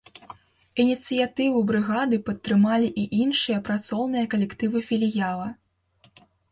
Ініцыятыву брыгады падтрымалі і іншыя працоўныя калектывы філіяла.